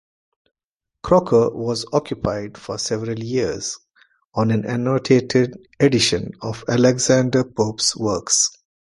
Croker was occupied for several years on an annotated edition of Alexander Pope's works.